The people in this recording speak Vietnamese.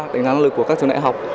đánh giá năng lực của các trường đại học